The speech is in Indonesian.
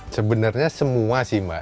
sebenarnya semua sih mbak